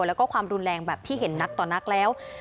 แล้วก็ความรุนแรงแบบที่เห็นนักต่อนักแล้ว